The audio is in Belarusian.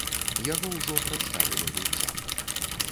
Яго ўжо прадставілі гульцам.